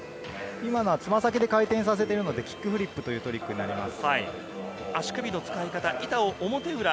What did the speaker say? つま先で回転させているので、キックフリップというトリックです。